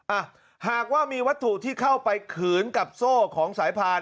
อ่ะหากว่ามีวัตถุที่เข้าไปขืนกับโซ่ของสายพาน